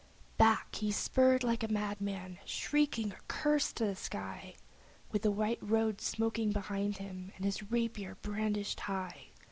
Back, he spurred like a madman, shrieking a curse to the sky, With the white road smoking behind him and his rapier brandished high!